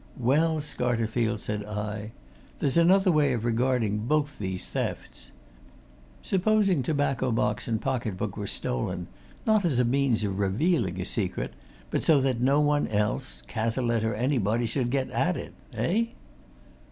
"Well, Scarterfield," said I. "There's another way of regarding both these thefts. Supposing tobacco box and pocket book were stolen, not as means of revealing a secret, but so that no one else Cazalette or anybody should get at it! Eh?"